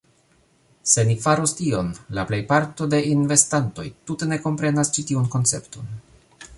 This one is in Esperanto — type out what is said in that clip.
Se ni faros tion, la plejparto de investantoj tute ne komprenas ĉi tiun koncepton